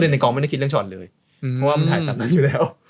ในกองไม่ได้คิดเรื่องช็อตเลยเพราะว่ามันถ่ายแบบนั้นอยู่แล้ว